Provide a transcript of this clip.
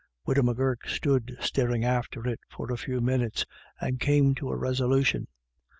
Widow M'Gurk stood staring after it for a few minutes, and came to a resolution.